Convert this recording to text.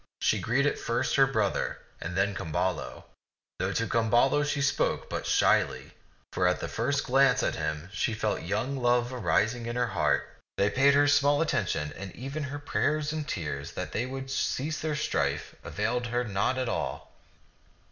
She greeted first her brother, and then Camballo ; though to Camballo she spoke but shyly, for at the first glance at him she felt young love arising in her heart. They paid her small atten tion, and even her prayers and tears that they would cease their strife availed her not at all.